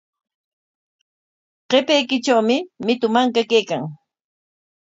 Qapaykitrawmi mitu manka kaykan.